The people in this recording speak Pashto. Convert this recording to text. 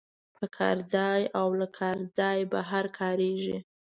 په کار ځای او له کار ځای بهر کاریږي.